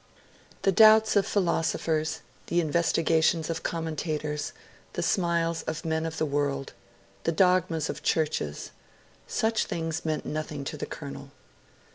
The doubts of philosophers, the investigations of commentators, the smiles of men of the world, the dogmas of Churches such things meant nothing to the Colonel.